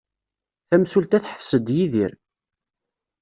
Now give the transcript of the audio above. Tamsulta teḥbes-d Yidir.